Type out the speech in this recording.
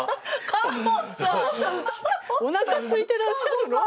カホさんおなかすいてらっしゃるの？